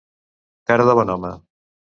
Cara de bon home.